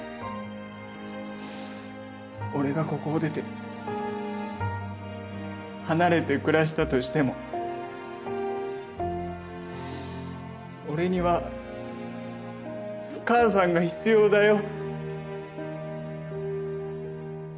俺がここを出て離れて暮らしたとしても俺には母さんが必要だよ。